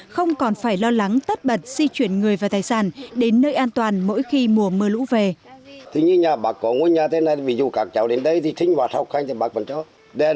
không còn phải lo lắng tất bật di chuyển người và tài sản đến nơi an toàn mỗi khi mùa mưa lũ về